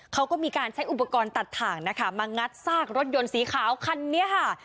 เขาก็มีการใช้อุปกรณ์ตัดถ่างนะคะมางัดซากรถยนต์สีขาวคันนี้ค่ะ